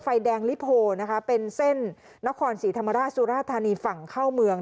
ไฟแดงลิโพนะคะเป็นเส้นนครศรีธรรมราชสุราธานีฝั่งเข้าเมือง